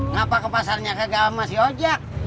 ngapa kepasarnya kegak sama si ojak